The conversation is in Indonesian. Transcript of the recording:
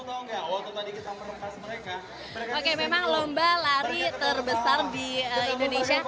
oke memang lomba lari terbesar di indonesia